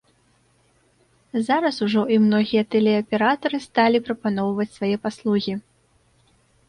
Зараз ужо і многія тэлеаператары сталі прапаноўваць свае паслугі.